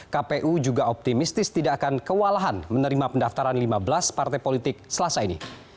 kpu juga optimistis tidak akan kewalahan menerima pendaftaran lima belas partai politik selasa ini